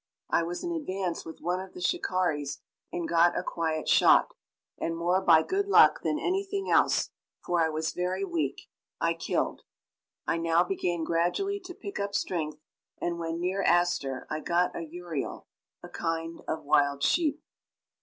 I was in advance with one of the shikaris and got a quiet shot, and more by good luck than anything else for I was very weak I killed. I now began gradually to pick up strength, and when near Astor I got a urial, a kind of wild sheep.